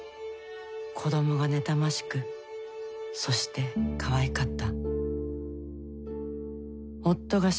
子どもが妬ましくそしてかわいかった。